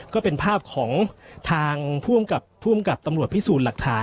ก็เป็นภาพของทางผู้กำกับผู้กำกับตำรวจพิสูจน์หลักฐาน